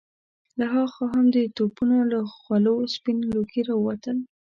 له هاخوا هم د توپونو له خولو سپين لوګي را ووتل.